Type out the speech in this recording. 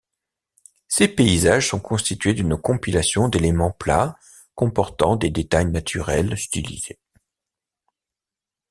Ses paysages sont constitués d'une compilation d'éléments plats, comportant des détails naturels stylisés.